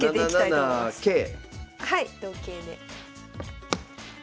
はい同桂で。